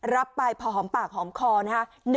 รับไปพอหอมปากหอมคอนะฮะ